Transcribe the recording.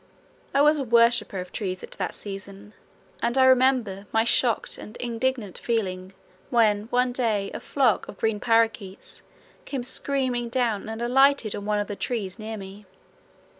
I was a worshipper of trees at this season, and I remember my shocked and indignant feeling when one day a flock of green paroquets came screaming down and alighted on one of the trees near me.